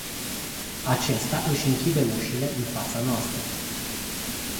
Acesta își închide ușile în fața noastră”.